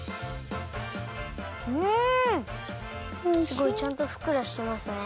すごいちゃんとふっくらしてますね。